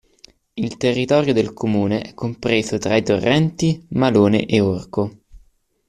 Il territorio del comune è compreso tra i torrenti Malone e Orco.